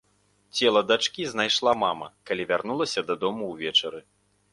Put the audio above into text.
Цела дачкі знайшла мама, калі вярнулася дадому ўвечары.